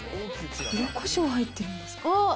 黒こしょう入ってるんですか。